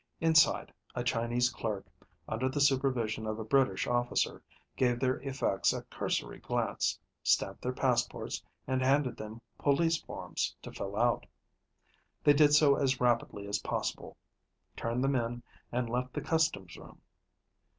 Inside, a Chinese clerk, under the supervision of a British officer, gave their effects a cursory glance, stamped their passports, and handed them police forms to fill out. They did so as rapidly as possible, turned them in, and left the customs room.